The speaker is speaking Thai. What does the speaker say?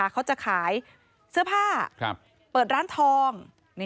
เขาจะขายเสื้อผ้าเปิดร้านทอง